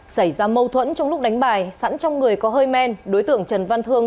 xảy ra mâu thuẫn trong lúc đánh bài sẵn trong người có hơi men đối tượng trần văn thương